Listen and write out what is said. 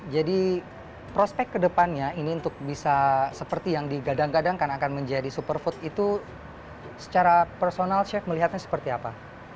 jadi prospek kedepannya ini untuk bisa seperti yang digadang gadangkan akan menjadi superfood itu secara personal chef melihatnya seperti apa